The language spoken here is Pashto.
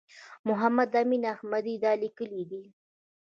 محمد امین احمدي دا لیکلي دي.